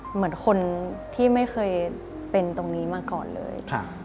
เหมือนคนที่ไม่เคยเป็นตรงนี้มาก่อนเลย